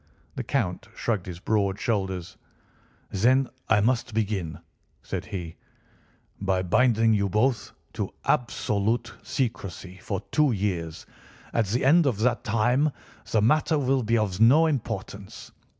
The Count shrugged his broad shoulders. "Then I must begin," said he, "by binding you both to absolute secrecy for two years; at the end of that time the matter will be of no importance.